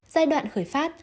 giai đoạn khởi phát